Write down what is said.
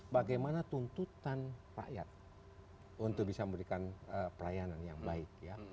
bagaimana tuntutan rakyat untuk bisa memberikan pelayanan yang baik